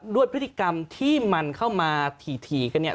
ด้วยพฤติกรรมที่มันเข้ามาถี่กันเนี่ย